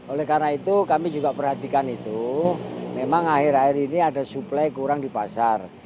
oleh karena itu kami juga perhatikan itu memang akhir akhir ini ada suplai kurang di pasar